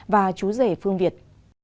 và chú rể phương việt